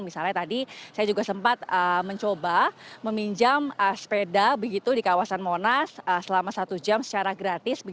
misalnya tadi saya juga sempat mencoba meminjam sepeda begitu di kawasan monas selama satu jam secara gratis